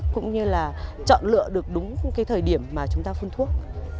cũng như là chọn lựa được đúng cái thời điểm mà chúng ta phun thuốc